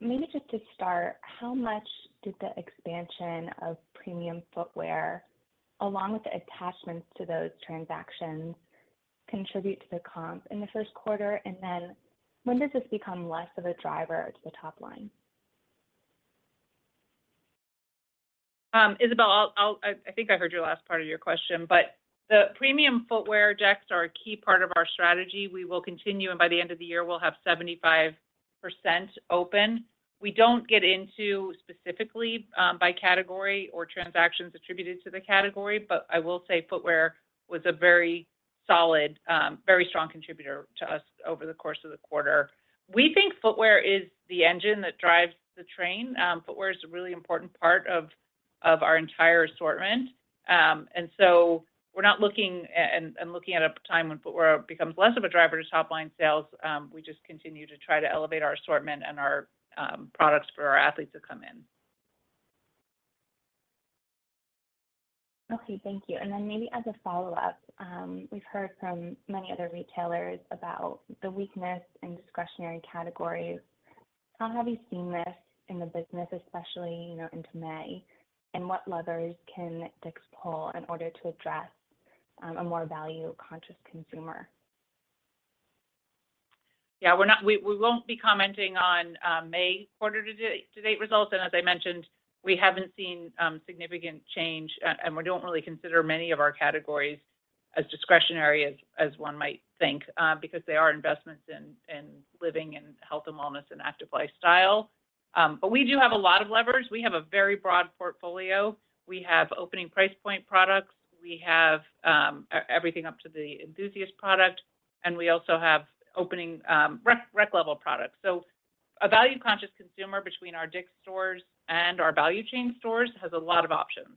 Maybe just to start, how much did the expansion of premium footwear along with the attachments to those transactions contribute to the comps in the first quarter? When does this become less of a driver to the top line? Isabelle, I think I heard your last part of your question, the premium footwear decks are a key part of our strategy. We will continue, by the end of the year, we'll have 75% open. We don't get into specifically by category or transactions attributed to the category, I will say footwear was a very solid, very strong contributor to us over the course of the quarter. We think footwear is the engine that drives the train. Footwear is a really important part of our entire assortment. We're not looking at a time when footwear becomes less of a driver to top-line sales. We just continue to try to elevate our assortment and our products for our athletes who come in. Okay. Thank you. Maybe as a follow-up, we've heard from many other retailers about the weakness in discretionary categories. How have you seen this in the business, especially, you know, into May? What levers can DIK'S pull in order to address a more value-conscious consumer? Yeah. We're not. We won't be commenting on May quarter to-date results. As I mentioned, we haven't seen significant change, and we don't really consider many of our categories as discret ionary as one might think, because they are investments in living and health and wellness and active lifestyle. We do have a lot of levers. We have a very broad portfolio. We have opening price point products. We have everything up to the enthusiast product, and we also have opening rec level products. A value-conscious consumer between our DIK'S stores and our Value Chain stores has a lot of options.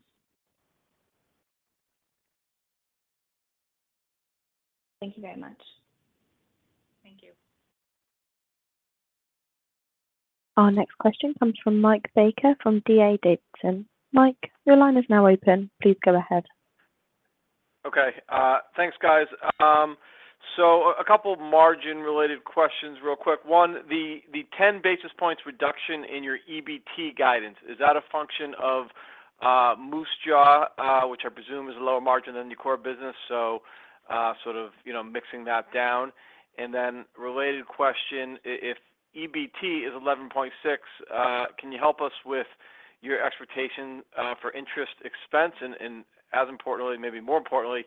Thank you very much. Thank you. Our next question comes from Michael Baker from D.A. Davidson. Mike, your line is now open. Please go ahead. Thanks, guys. A couple of margin related questions real quick. One, the 10 basis points reduction in your EBT guidance, is that a function of Moosejaw, which I presume is lower margin than your core business, sort of, you know, mixing that down? Related question, if EBT is 11.6%, can you help us with your expectation for interest expense and as importantly, maybe more importantly,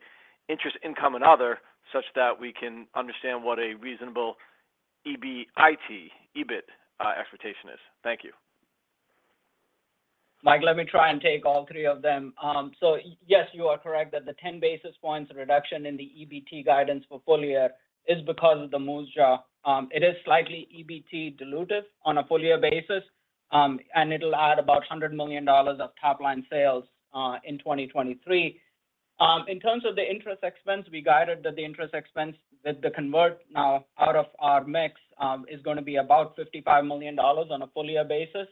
interest income and other, such that we can understand what a reasonable EBIT expectation is. Thank you. Mike, let me try and take all three of them. Yes, you are correct that the 10 basis points reduction in the EBT guidance for full year is because of the Moosejaw. It is slightly EBT dilutive on a full year basis, it'll add about $100 million of top line sales in 2023. In terms of the interest expense, we guided that the interest expense with the convert now out of our mix is gonna be about $55 million on a full year basis.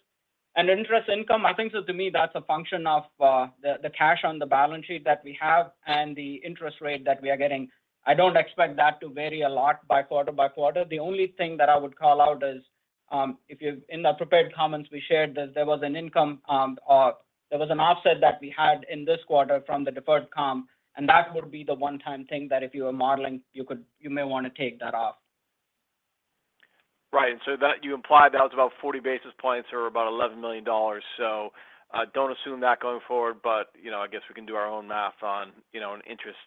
Interest income, I think to me that's a function of the cash on the balance sheet that we have and the interest rate that we are getting. I don't expect that to vary a lot by quarter by quarter. The only thing that I would call out is, in the prepared comments we shared that there was an income, there was an offset that we had in this quarter from the deferred comp. That would be the one-time thing that if you were modeling, you may wanna take that off. Right. That you implied that was about 40 basis points or about $11 million. Don't assume that going forward. You know, I guess we can do our own math on, you know, an interest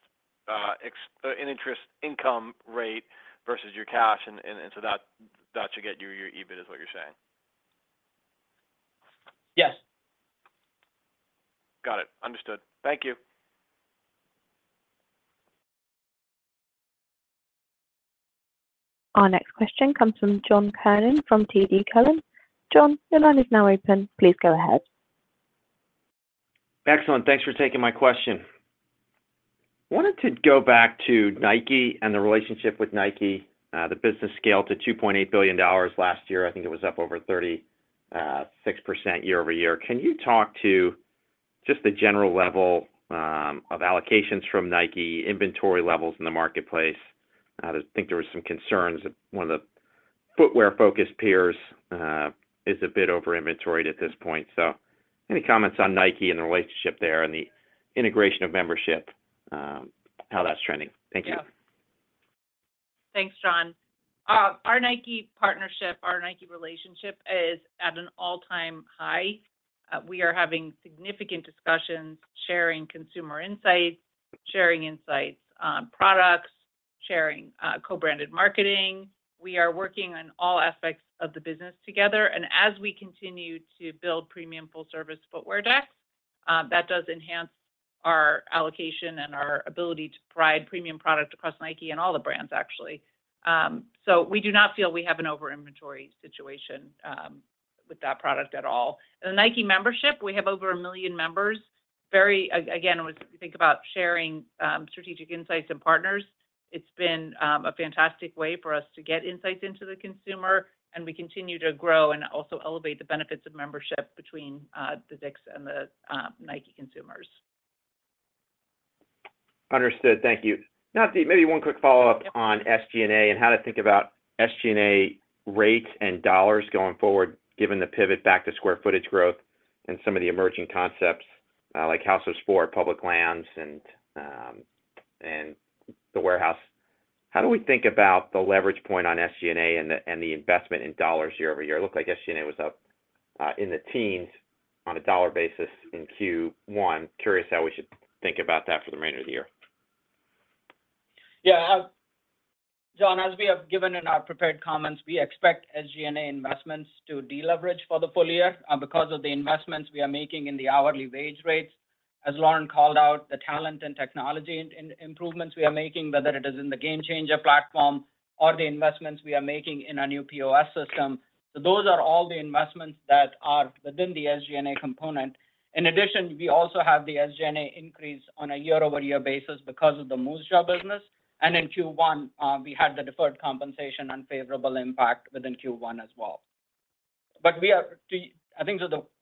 income rate versus your cash. That should get you your EBIT is what you're saying. Yes. Got it. Understood. Thank you. Our next question comes from John Kernan from TD Cowen. John, your line is now open. Please go ahead. Excellent. Thanks for taking my question. Wanted to go back to Nike and the relationship with Nike. The business scale to $2.8 billion last year. I think it was up over 36% year-over-year. Can you talk to just the general level of allocations from Nike, inventory levels in the marketplace? I think there was some concerns that one of the footwear-focused peers is a bit over inventoried at this point. Any comments on Nike and the relationship there and the integration of membership, how that's trending. Thank you. Yeah. Thanks, John. Our Nike partnership, our Nike relationship is at an all-time high. We are having significant discussions, sharing consumer insights, sharing insights on products, sharing, co-branded marketing. We are working on all aspects of the business together. As we continue to build premium full service footwear decks, that does enhance our allocation and our ability to provide premium product across Nike and all the brands actually. So we do not feel we have an over inventory situation with that product at all. The Nike membership, we have over 1 million members. Again, when you think about sharing, strategic insights and partners, it's been a fantastic way for us to get insights into the consumer, and we continue to grow and also elevate the benefits of membership between the DIK'S and the Nike consumers. Understood. Thank you. Navdeep, maybe one quick follow-up. Yeah... on SG&A and how to think about SG&A rates and dollars going forward, given the pivot back to square footage growth and some of the emerging concepts, like House of Sport, Public Lands, and The Warehouse. How do we think about the leverage point on SG&A and the investment in dollars year over year? It looked like SG&A was up in the teens on a dollar basis in Q1. Curious how we should think about that for the remainder of the year. John, as we have given in our prepared comments, we expect SG&A investments to deleverage for the full year because of the investments we are making in the hourly wage rates. As Lauren called out, the talent and technology improvements we are making, whether it is in the GameChanger platform or the investments we are making in our new POS system. Those are all the investments that are within the SG&A component. In addition, we also have the SG&A increase on a year-over-year basis because of the Moosejaw business. In Q1, we had the deferred compensation unfavorable impact within Q1 as well. I think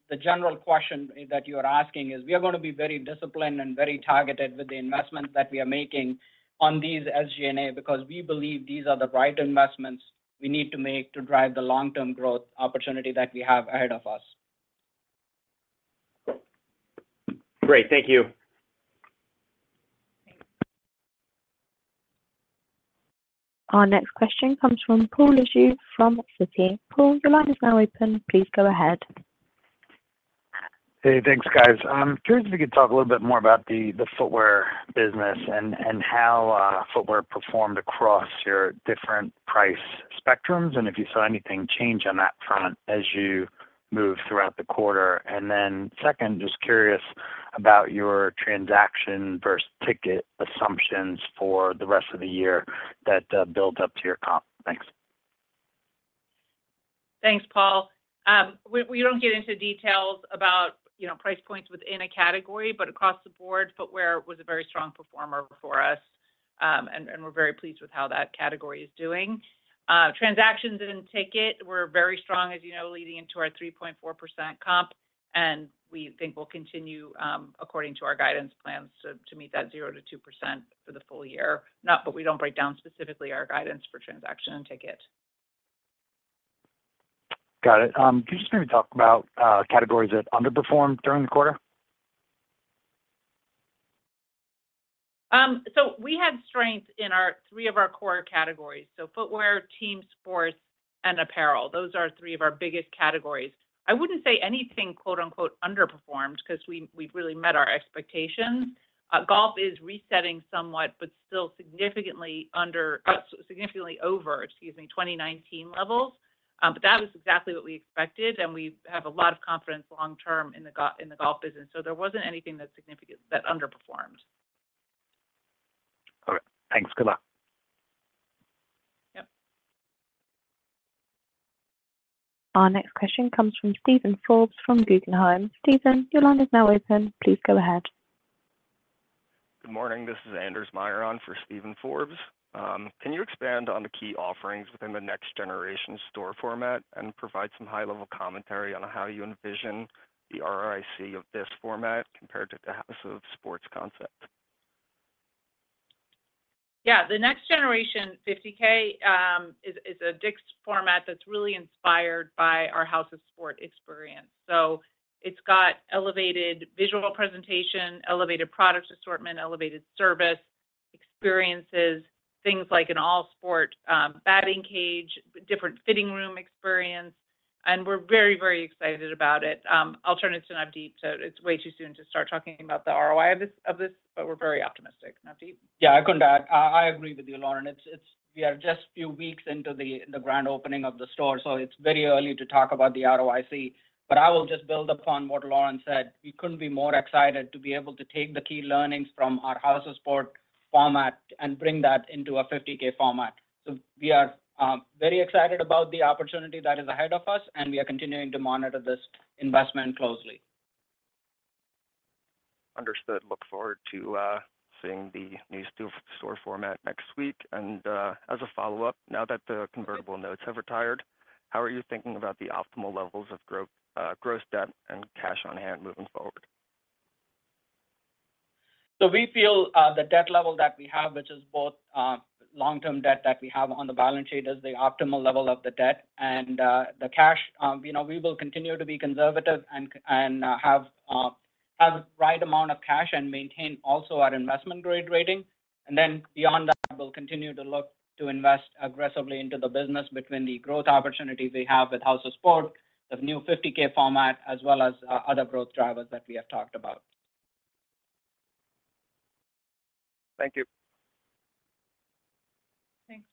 the general question that you are asking is, we are going to be very disciplined and very targeted with the investments that we are making on these SG&A because we believe these are the right investments we need to make to drive the long-term growth opportunity that we have ahead of us. Great. Thank you. Thanks. Our next question comes from Paul Lejuez from Citi. Paul, your line is now open. Please go ahead. Hey, thanks, guys. I'm curious if you could talk a little bit more about the footwear business and how footwear performed across your different price spectrums, and if you saw anything change on that front as you moved throughout the quarter. Second, just curious about your transaction versus ticket assumptions for the rest of the year that builds up to your comp. Thanks. Thanks, Paul. We don't get into details about, you know, price points within a category, but across the board, footwear was a very strong performer for us. And we're very pleased with how that category is doing. Transactions and ticket were very strong, as you know, leading into our 3.4% comp, and we think will continue, according to our guidance plans to meet that 0%-2% for the full year. We don't break down specifically our guidance for transaction and ticket. Got it. Could you just maybe talk about categories that underperformed during the quarter? We had strength in our three of our core categories, so footwear, team sports, and apparel. Those are three of our biggest categories. I wouldn't say anything, quote-unquote, underperformed because we've really met our expectations. Golf is resetting somewhat but still significantly under... significantly over, excuse me, 2019 levels. That was exactly what we expected, and we have a lot of confidence long term in the golf business, so there wasn't anything that significant that underperformed. All right. Thanks. Good luck. Yep. Our next question comes from Stephen Forbes from Guggenheim. Stephen, your line is now open. Please go ahead. Good morning. This is Anders Miron for Steven Forbes. Can you expand on the key offerings within the next generation store format and provide some high-level commentary on how you envision the ROIC of this format compared to the House of Sport concept? Yeah. The next generation 50K is a DIK'S format that's really inspired by our House of Sport experience. It's got elevated visual presentation, elevated product assortment, elevated service experiences, things like an all-sport batting cage, different fitting room experience, and we're very, very excited about it. I'll turn it to Navdeep. It's way too soon to start talking about the ROI of this, but we're very optimistic. Navdeep? Yeah, I couldn't add. I agree with you, Lauren. It's... We are just few weeks into the grand opening of the store. It's very early to talk about the ROIC. I will just build upon what Lauren said. We couldn't be more excited to be able to take the key learnings from our House of Sport format and bring that into a 50K format. We are very excited about the opportunity that is ahead of us. We are continuing to monitor this investment closely. Understood. Look forward to seeing the new store format next week. As a follow-up, now that the convertible notes have retired, how are you thinking about the optimal levels of gross debt and cash on hand moving forward? We feel the debt level that we have, which is both long-term debt that we have on the balance sheet, is the optimal level of the debt. The cash, you know, we will continue to be conservative and have the right amount of cash and maintain also our investment-grade rating. Beyond that, we'll continue to look to invest aggressively into the business between the growth opportunities we have with House of Sport, the new 50K format, as well as other growth drivers that we have talked about. Thank you. Thanks.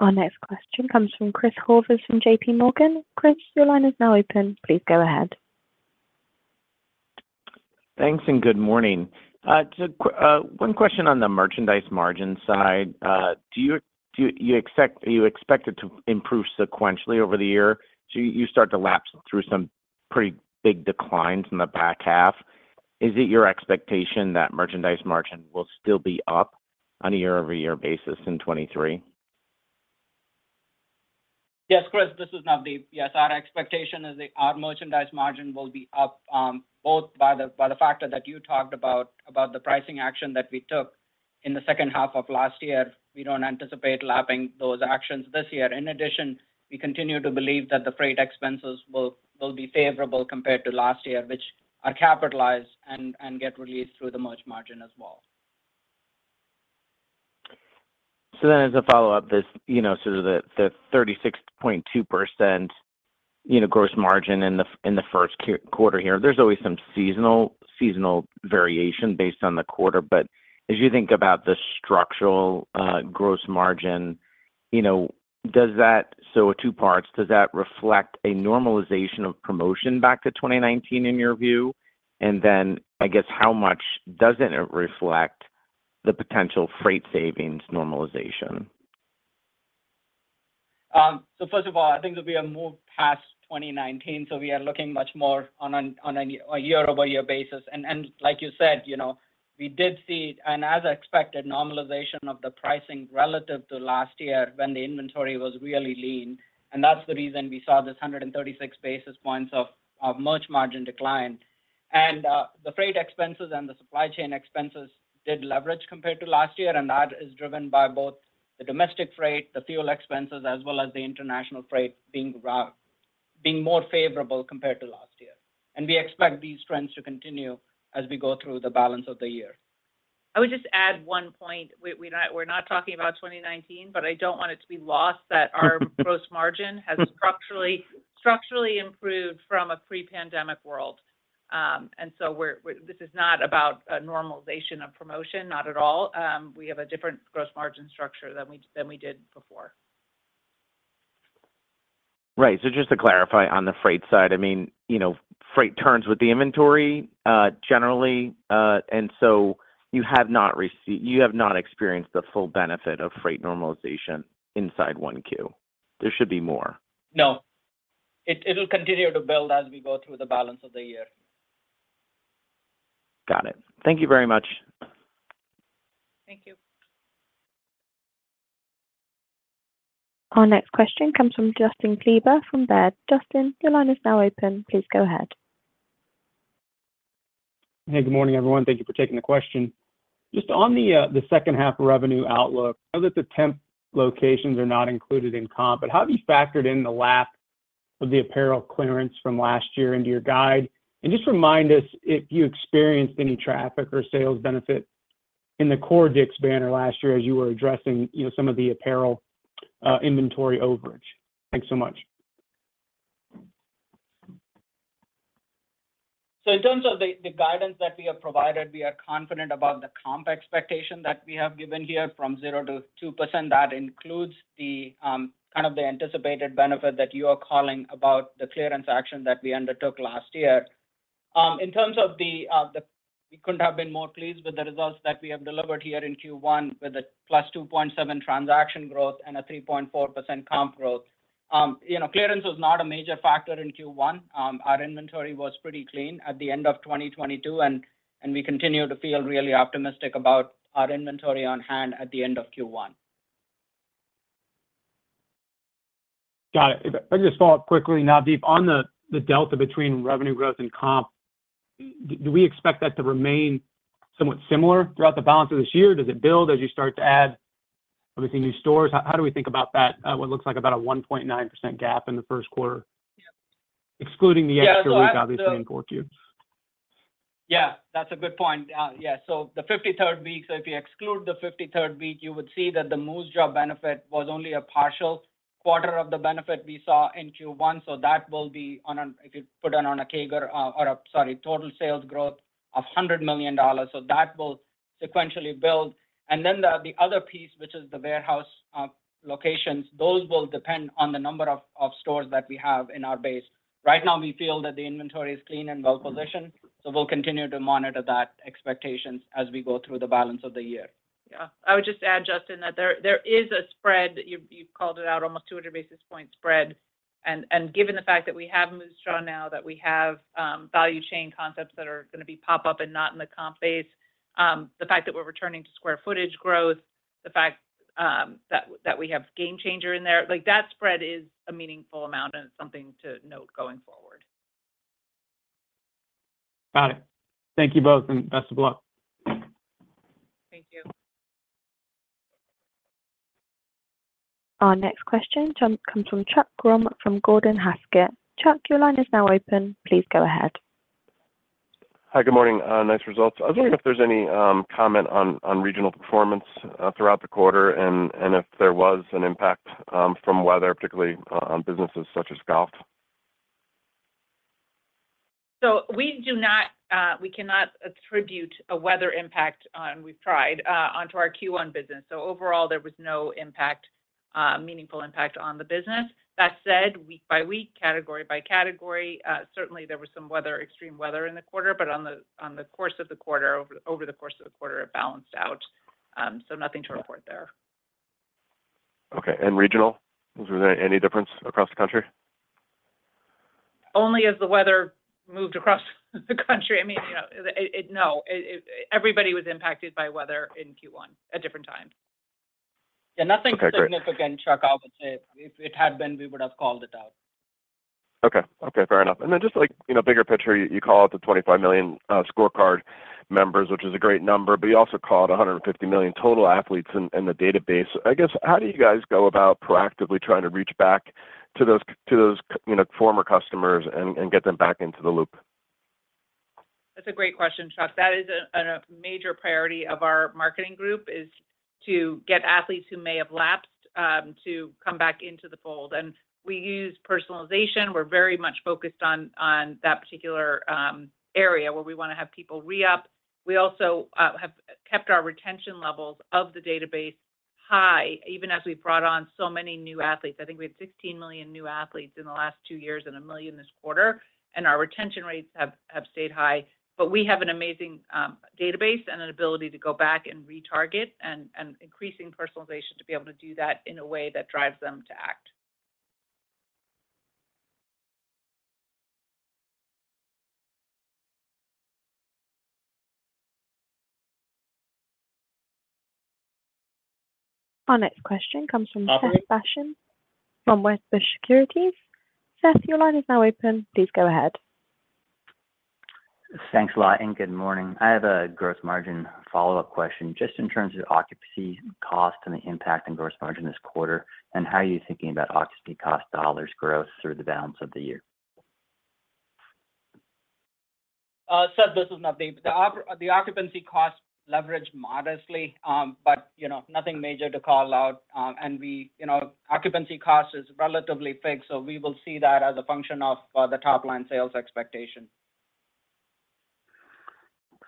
Our next question comes from Christopher Horvers from JP Morgan. Chris, your line is now open. Please go ahead. Thanks, good morning. One question on the merchandise margin side. Do you expect it to improve sequentially over the year? Do you start to lapse through some pretty big declines in the back half? Is it your expectation that merchandise margin will still be up on a year-over-year basis in 23? Yes, Chris, this is Navdeep. Yes, our expectation is that our merchandise margin will be up, both by the factor that you talked about the pricing action that we took in the second half of last year. We don't anticipate lapping those actions this year. In addition, we continue to believe that the freight expenses will be favorable compared to last year, which are capitalized and get released through the merch margin as well. As a follow-up, this, you know, sort of the 36.2%, you know, gross margin in the first quarter here. There's always some seasonal variation based on the quarter. As you think about the structural gross margin, you know. Two parts, does that reflect a normalization of promotion back to 2019 in your view? I guess how much doesn't it reflect the potential freight savings normalization? First of all, I think that we have moved past 2019, we are looking much more on a year-over-year basis. Like you said, you know, we did see, and as expected, normalization of the pricing relative to last year when the inventory was really lean. That's the reason we saw this 136 basis points of merch margin decline. The freight expenses and the supply chain expenses did leverage compared to last year, and that is driven by both the domestic freight, the fuel expenses, as well as the international freight being more favorable compared to last year. We expect these trends to continue as we go through the balance of the year. I would just add 1 point. We're not talking about 2019, but I don't want it to be lost that our gross margin has structurally improved from a pre-pandemic world. This is not about a normalization of promotion, not at all. We have a different gross margin structure than we did before. Right. Just to clarify on the freight side, I mean, you know, freight turns with the inventory generally. You have not experienced the full benefit of freight normalization inside 1 Q. There should be more. No. It'll continue to build as we go through the balance of the year. Got it. Thank you very much. Thank you. Our next question comes from Justin Kleber from Baird. Justin, your line is now open. Please go ahead. Hey, good morning, everyone. Thank you for taking the question. Just on the second half revenue outlook. I know that the temp locations are not included in comp, but how have you factored in the lack of the apparel clearance from last year into your guide? Just remind us if you experienced any traffic or sales benefit in the core DIK'S banner last year as you were addressing, you know, some of the apparel inventory overage. Thanks so much. In terms of the guidance that we have provided, we are confident about the comp expectation that we have given here from 0%-2%. That includes the, kind of the anticipated benefit that you are calling about the clearance action that we undertook last year. We couldn't have been more pleased with the results that we have delivered here in Q1 with a +2.7% transaction growth and a 3.4% comp growth. You know, clearance was not a major factor in Q1. Our inventory was pretty clean at the end of 2022, and we continue to feel really optimistic about our inventory on hand at the end of Q1. Got it. If I could just follow up quickly now, Navdeep, on the delta between revenue growth and comp, do we expect that to remain somewhat similar throughout the balance of this year? Does it build as you start to add, obviously, new stores? How do we think about that, what looks like about a 1.9% gap in the first quarter, excluding the extra week obviously in quarter two? Yeah, that's a good point. Yeah. The 53rd week, if you exclude the 53rd week, you would see that the Moosejaw benefit was only a partial quarter of the benefit we saw in Q1. That will be on a, if you put on a CAGR or Sorry, total sales growth of $100 million. That will sequentially build. Then the other piece, which is the warehouse locations, those will depend on the number of stores that we have in our base. Right now, we feel that the inventory is clean and well-positioned, so we'll continue to monitor that expectations as we go through the balance of the year. Yeah. I would just add, Justin, that there is a spread, you've called it out, almost 200 basis point spread. Given the fact that we have Moosejaw now, that we have value chain concepts that are gonna be pop-up and not in the comp base, the fact that we're returning to square footage growth, the fact that we have GameChanger in there, like that spread is a meaningful amount and it's something to note going forward. Got it. Thank you both, and best of luck. Thank you. Our next question comes from Chuck Grom from Gordon Haskett. Chuck, your line is now open. Please go ahead. Hi, good morning. Nice results. I was wondering if there's any comment on regional performance throughout the quarter and if there was an impact from weather, particularly on businesses such as golf? We do not we cannot attribute a weather impact, and we've tried onto our Q1 business. Overall, there was A meaningful impact on the business. That said, week by week, category by category, certainly there was some weather, extreme weather in the quarter, but on the course of the quarter, over the course of the quarter it balanced out. Nothing to report there. Okay. Regional, was there any difference across the country? Only as the weather moved across the country. I mean, you know, it. No, it. Everybody was impacted by weather in Q1 at different times. Yeah, nothing. Okay, great.... significant, Chuck, I would say. If it had been, we would have called it out. Okay. Okay, fair enough. Just like, you know, bigger picture, you called the $25 million ScoreCard members, which is a great number, but you also called $150 million total athletes in the database. I guess, how do you guys go about proactively trying to reach back to those you know, former customers and get them back into the loop? That's a great question, Chuck. That is a major priority of our marketing group is to get athletes who may have lapsed to come back into the fold, and we use personalization. We're very much focused on that particular area where we wanna have people re-up. We also have kept our retention levels of the database high, even as we've brought on so many new athletes. I think we had $16 million new athletes in the last 2 years and $1 million this quarter, and our retention rates have stayed high. We have an amazing database and an ability to go back and re-target and increasing personalization to be able to do that in a way that drives them to act. Our next question comes from Seth Basham from Wedbush Securities. Seth, your line is now open. Please go ahead. Thanks a lot. Good morning. I have a gross margin follow-up question. Just in terms of occupancy cost and the impact in gross margin this quarter, and how are you thinking about occupancy cost dollars growth through the balance of the year? Seth, this is Navdeep. The occupancy cost leveraged modestly, but, you know, nothing major to call out. You know, occupancy cost is relatively fixed, so we will see that as a function of the top line sales expectation.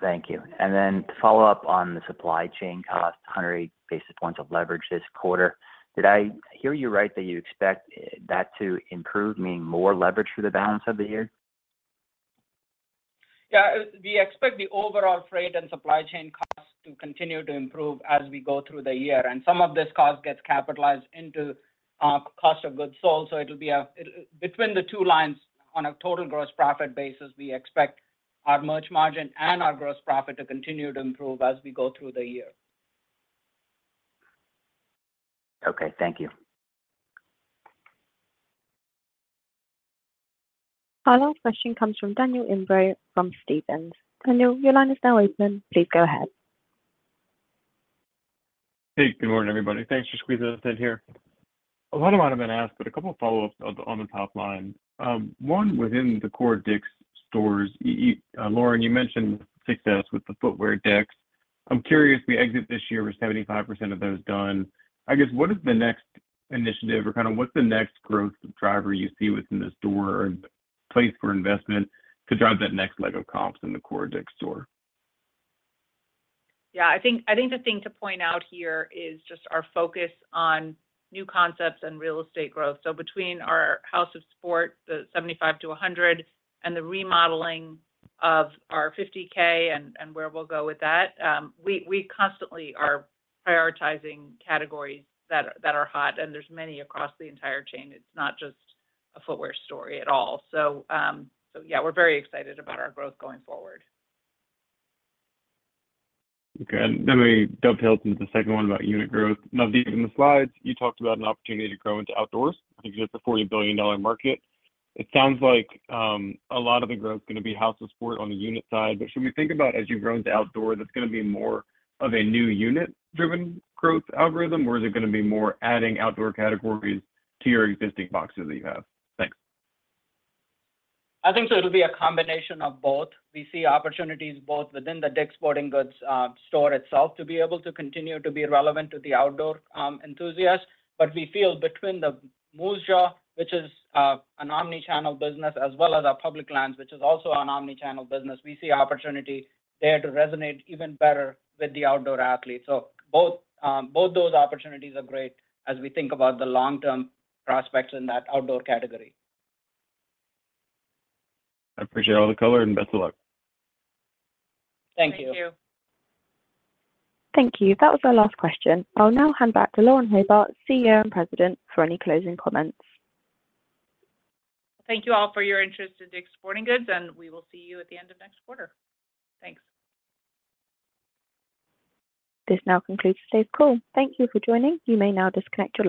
Thank you. To follow up on the supply chain cost, 108 basis points of leverage this quarter. Did I hear you right that you expect that to improve, meaning more leverage for the balance of the year? Yeah. We expect the overall freight and supply chain costs to continue to improve as we go through the year. Some of this cost gets capitalized into cost of goods sold. Between the two lines on a total gross profit basis, we expect our merch margin and our gross profit to continue to improve as we go through the year. Okay, thank you. Our last question comes from Daniel Imbro from Stephens. Daniel, your line is now open. Please go ahead. Hey, good morning, everybody. Thanks for squeezing us in here. A lot of what I'm gonna ask, but a couple follow-ups on the top line. One within the core DIK'S stores. Lauren, you mentioned success with the footwear decks. I'm curious, we exit this year with 75% of those done. I guess, what is the next initiative or kinda what's the next growth driver you see within the store or place for investment to drive that next leg of comps in the core DIK'S store? Yeah. I think the thing to point out here is just our focus on new concepts and real estate growth. Between our House of Sport, the 75 to 100, and the remodeling of our 50K and where we'll go with that, we constantly are prioritizing categories that are hot, and there's many across the entire chain. It's not just a footwear story at all. Yeah, we're very excited about our growth going forward. Okay. Let me dovetail into the second one about unit growth. Navdeep, in the slides you talked about an opportunity to grow into outdoors because it's a $40 billion market. It sounds like a lot of the growth is gonna be House of Sport on the unit side, but should we think about as you grow into outdoor, that's gonna be more of a new unit driven growth algorithm, or is it gonna be more adding outdoor categories to your existing boxes that you have? Thanks. I think so it'll be a combination of both. We see opportunities both within the DIK'S Sporting Goods store itself to be able to continue to be relevant to the outdoor enthusiasts. We feel between the Moosejaw, which is an omni-channel business, as well as our Public Lands, which is also an omni-channel business, we see opportunity there to resonate even better with the outdoor athletes. Both those opportunities are great as we think about the long-term prospects in that outdoor category. I appreciate all the color, and best of luck. Thank you. Thank you. Thank you. That was our last question. I'll now hand back to Lauren Hobart, CEO and President, for any closing comments. Thank you all for your interest in DIK'S Sporting Goods, and we will see you at the end of next quarter. Thanks. This now concludes today's call. Thank you for joining. You may now disconnect your line.